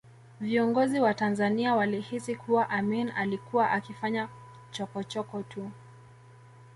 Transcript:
Viongozi wa Tanzania walihisi kuwa Amin alikuwa akifanya chokochoko tu